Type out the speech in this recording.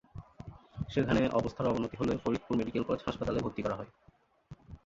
সেখানে অবস্থার অবনতি হলে ফরিদপুর মেডিকেল কলেজ হাসপাতালে ভর্তি করা হয়।